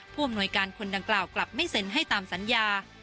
ผู้อำนวยการคนดังกล่าวกลับไม่เซ็นให้ตามสัญญา